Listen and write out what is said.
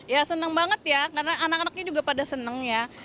ya senang banget ya karena anak anaknya juga pada senang